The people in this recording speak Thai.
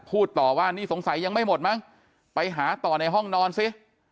พูดต่อว่านี่สงสัยยังไม่หมดมั้งไปหาต่อในห้องนอนสิ